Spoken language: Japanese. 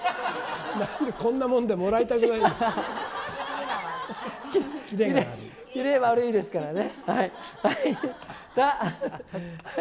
なんでこんなもんでもらいた切れ悪いですからね。